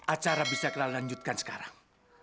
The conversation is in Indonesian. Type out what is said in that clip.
acara bisa kita lanjutkan sekarang